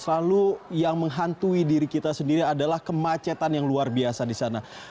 selalu yang menghantui diri kita sendiri adalah kemacetan yang luar biasa di sana